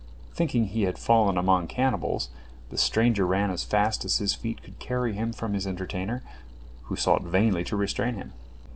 Thinking he had fallen among cannibals, the stranger ran as fast as his feet could carry him from his entertainer, who sought vainly to restrain him.